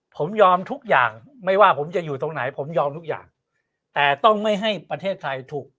ผมยอมทุกอย่างไม่ว่าผมจะอยู่ตรงไหนผมยอมทุกอย่างแต่ต้องไม่ให้ประเทศไทยถูก